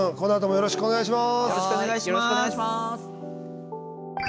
よろしくお願いします。